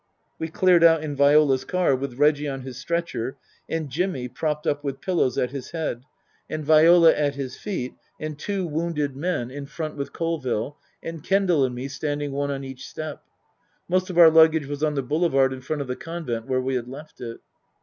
We cleared out in Viola's car, with Reggie on his stretcher and Jimmy (propped up with pillows) at his head, and Viola at his feet, and two wounded men in 328 Tasker Jevons front with Colville, and Kendal and me standing one on each step. (Most of our luggage was on the Boulevard in front of the Convent where we had left it.)